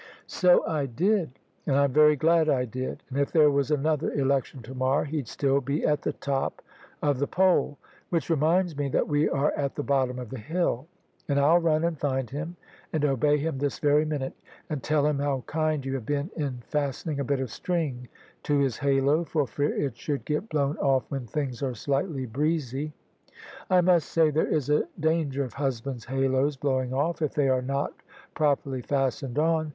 "So I did; and I'm very glad I did; and if there was another election to morrow he'd still be at *the top of the poll. Which reminds me that we are at the bottom of the hill; and I'll run and find him and obey him this very minute; and tell him how kind you have been in fastening a bit of string to his halo for fear it should get blown off when things are slightly breezy. I must say there is a danger of husbands' haloes blowing off, if they are not prop erly fastened on.